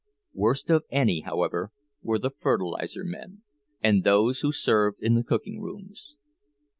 Worst of any, however, were the fertilizer men, and those who served in the cooking rooms.